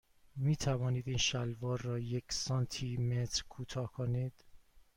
می توانید این شلوار را یک سانتی متر کوتاه کنید؟